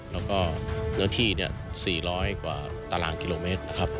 แล้วก็เนื้อที่๔๐๐กว่าตารางกิโลเมตรนะครับ